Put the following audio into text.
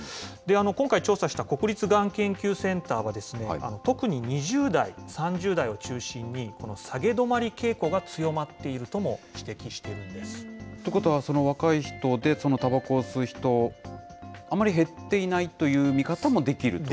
今回調査した国立がん研究センターは、特に２０代、３０代を中心に下げ止まり傾向が強まっているとも指摘しているんということは、若い人でたばこを吸う人、あんまり減っていないという見方もできると。